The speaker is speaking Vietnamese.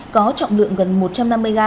có trọng lượng gần một trăm năm mươi gram